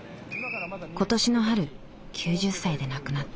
今年の春９０歳で亡くなった。